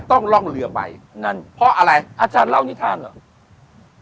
ต้องล่องเรือไปนั่นเพราะอะไรอาจารย์เล่านิทานเหรอ